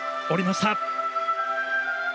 降りました。